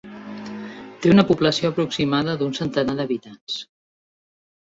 Té una població aproximada d'un centenar d'habitants.